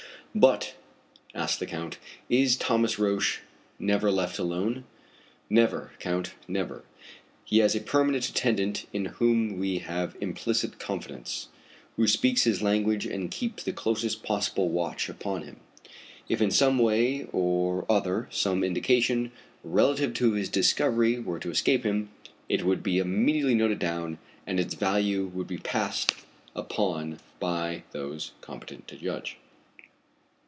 "But," asked the Count, "is Thomas Roch never left alone?" "Never, Count, never. He has a permanent attendant in whom we have implicit confidence, who speaks his language and keeps the closest possible watch upon him. If in some way or other some indication relative to his discovery were to escape him, it would be immediately noted down and its value would be passed upon by those competent to judge."